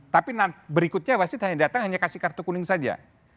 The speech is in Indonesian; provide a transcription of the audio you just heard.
tapi berikutnya wasit hanya datang hanya kasih kartu kuning saja